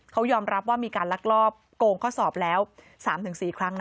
เขายอมรับว่ามีการลักลอบโกงข้อสอบแล้ว๓๔ครั้งนะ